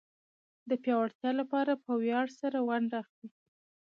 د پياوړتيا لپاره په وياړ سره ونډه اخلي.